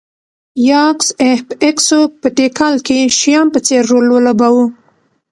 یاکس اهب اکسوک په تیکال کې شیام په څېر رول ولوباوه